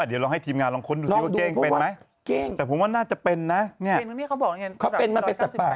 เดี๋ยวลองให้ทีมงานลองค้นดูซิว่าเก้งเป็นไหมเก้งแต่ผมว่าน่าจะเป็นนะเนี่ยเขาเป็นมันเป็นสัตว์ป่า